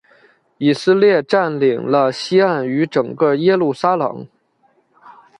以色列占领了西岸与整个耶路撒冷。